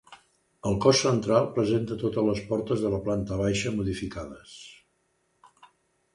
El cos central presenta totes les portes de la planta baixa modificades.